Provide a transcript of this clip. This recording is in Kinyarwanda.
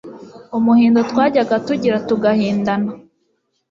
umuhindo twajyaga tugira tugahindana